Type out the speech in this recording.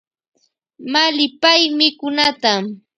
Mallypay mikunata.